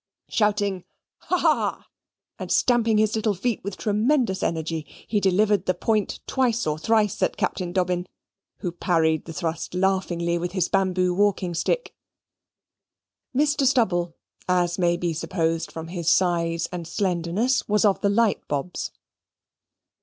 Shouting "Ha, ha!" and stamping his little feet with tremendous energy, he delivered the point twice or thrice at Captain Dobbin, who parried the thrust laughingly with his bamboo walking stick. Mr. Stubble, as may be supposed from his size and slenderness, was of the Light Bobs.